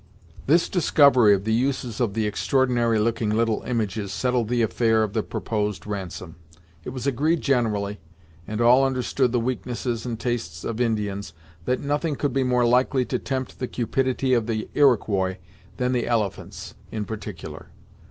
This discovery of the uses of the extraordinary looking little images settled the affair of the proposed ransom. It was agreed generally, and all understood the weaknesses and tastes of Indians, that nothing could be more likely to tempt the cupidity of the Iroquois than the elephants, in particular.